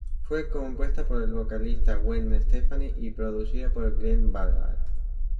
Fue compuesta por la vocalista Gwen Stefani y producida por Glen Ballard.